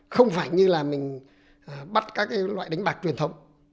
không phải như là mình bắt các loại đánh bạc truyền thống